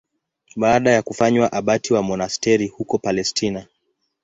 Baada ya kufanywa abati wa monasteri huko Palestina.